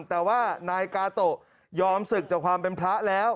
แต่ว่านายกาโตะยอมศึกจากความเป็นพระแล้ว